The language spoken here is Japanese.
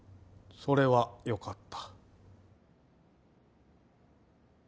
それはよかった